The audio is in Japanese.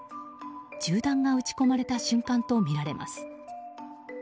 銃弾が撃ち込まれた瞬間とみられます。